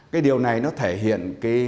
cái điều này nó thể hiện